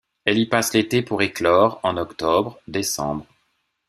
Elle y passe l'été pour éclore en octobre - décembre.